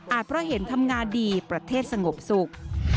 เพราะเห็นทำงานดีประเทศสงบสุข